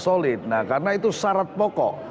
solid nah karena itu syarat pokok